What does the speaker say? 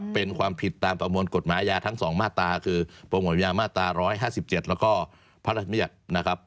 เป็นความผิดตามประมวลกฎหมายทั้งสองมาตรคือประมวลยานมาตร๑๕๗แล้วก็พระราชมิตร